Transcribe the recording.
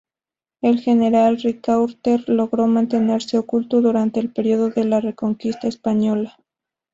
El general Ricaurte logró mantenerse oculto durante el periodo de la reconquista española.